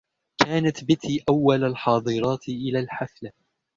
كانت بتي أول الحاضرات إلى الحفلة.